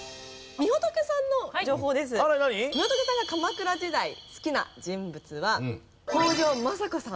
みほとけさんが鎌倉時代好きな人物は北条政子さん。